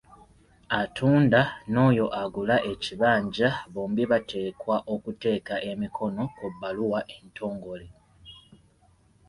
Atunda n'oyo agula ekibanja bombi bateekwa okuteeka emikono ku bbaluwa entongole.